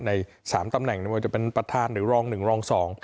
ในสามตำแหน่งไม่ว่าจะเป็นประธานหรือรองหนึ่งรองสอง